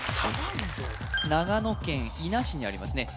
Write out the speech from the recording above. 長野県伊那市にありますね